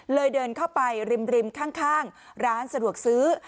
เดินเข้าไปริมข้างร้านสะดวกซื้อ